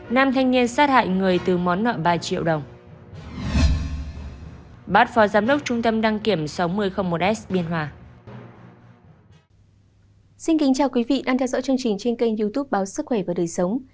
xin kính chào quý vị đang theo dõi chương trình trên kênh youtube báo sức khỏe và đời sống